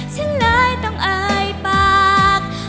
ฉันเลยต้องเอ่ยปาก